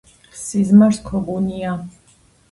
სიზმარს ქოგუნია